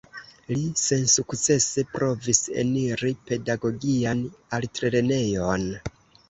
Li sensukcese provis eniri Pedagogian Altlernejon.